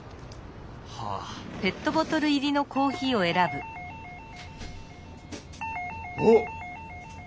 はぁ。おっ！